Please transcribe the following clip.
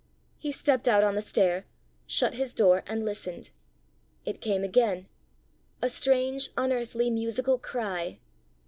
He stepped out on the stair, shut his door, and listened. It came again a strange unearthly musical cry!